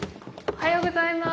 おはようございます。